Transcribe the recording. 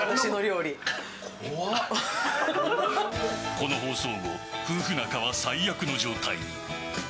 この放送後夫婦仲は最悪の状態に。